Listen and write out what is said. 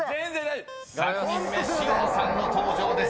［３人目塩野さんの登場です］